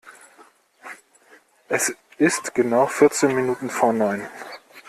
Es ist genau vierzehn Minuten vor neun!